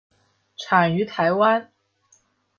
产于台湾。